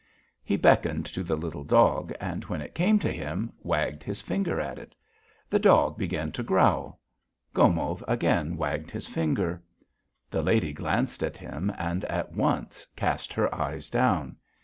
He beckoned to the little dog, and when it came up to him, wagged his finger at it. The dog began to growl. Gomov again wagged his finger. The lady glanced at him and at once cast her eyes down.